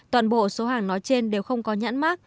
toàn bộ số hàng nói trên đều không có nhãn mát